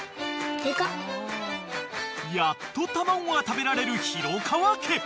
［やっと卵が食べられる廣川家］